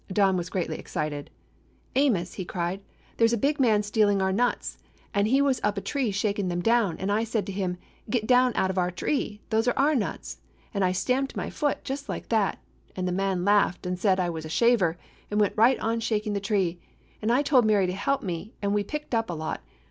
Don was greatly excited. "Amos," he cried, "there was a big man stealing our nuts, and he was up a tree, shakin' them down, and I said to him : 'Get down out of our tree. Those are our nuts!' and I stamped my foot, just like that. And the man laughed an' said I was a shaver, and went right on shaking the tree. And I told Mary to help me, and we picked up a lot.